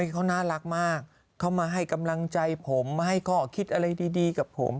เขาน่ารักมากเขามาให้กำลังใจผมมาให้ข้อคิดอะไรดีกับผม